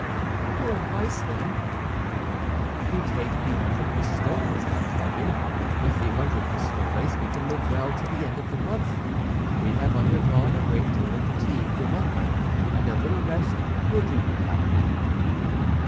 "Your advice, then?" "To take the hundred pistoles, D'Artagnan. With the hundred pistoles we can live well to the end of the month. We have undergone a great deal of fatigue, remember, and a little rest will do no harm."